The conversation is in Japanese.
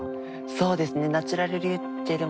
そうですね